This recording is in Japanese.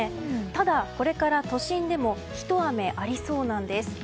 ただ、これから都心でもひと雨ありそうなんです。